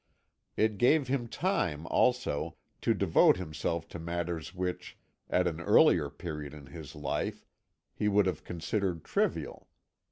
It gave him time, also, to devote himself to matters which, at an earlier period of his life, he would have considered trivial.